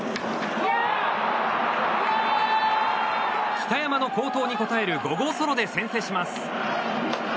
北山の好投に応える５号ソロで先制します。